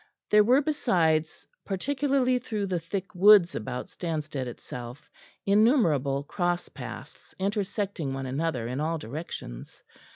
There were besides, particularly through the thick woods about Stanstead itself, innumerable cross paths intersecting one another in all directions.